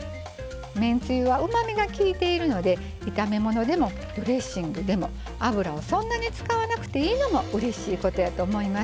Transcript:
めんつゆはうまみがきいているので炒め物でもドレッシングでも油をそんなに使わなくていいのもうれしいことやと思います。